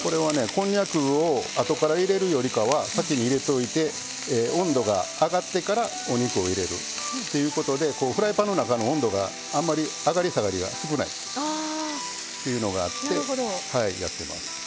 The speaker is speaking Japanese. こんにゃくをあとから入れるよりかは先に入れておいて温度が上がってからお肉を入れるっていうことでフライパンの中の温度があんまり上がり下がりが少ないというのがあってやってます。